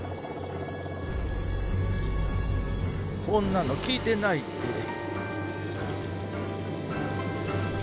こんなの聞いてないって。